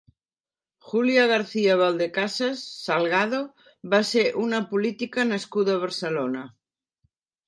Julia García-Valdecasas Salgado va ser una política nascuda a Barcelona.